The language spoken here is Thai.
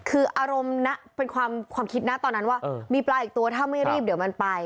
คืออารมณ์นะเป็นความคิดนะตอนนั้นว่ามีปลาอีกตัวถ้าไม่รีบเดี๋ยวมันไป